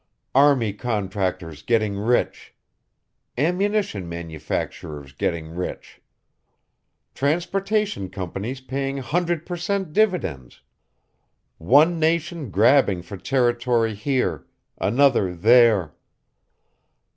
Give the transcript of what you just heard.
Army contractors getting rich. Ammunition manufacturers getting rich. Transportation companies paying hundred per cent. dividends. One nation grabbing for territory here, another there.